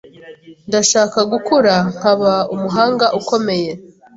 Ndashaka gukura nkaba umuhanga ukomeye.